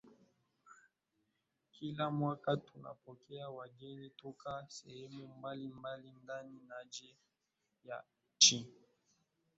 Kila mwaka tunapokea wageni kutoka sehemu mbali mbali ndani na nje ya nchi